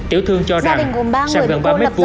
tiểu thương cho rằng sạp gần ba mét vũ